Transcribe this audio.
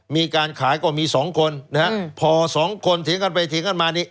มีการขายก็มีสองคนนะฮะพอสองคนเถียงกันไปเถียงกันมานี่